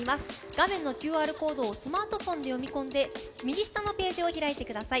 画面のＱＲコードをスマートフォンで読み込んで右下のページを開いてください。